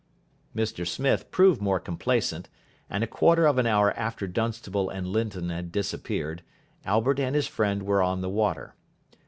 Mr Smith proved more complaisant, and a quarter of an hour after Dunstable and Linton had disappeared, Albert and his friend were on the water.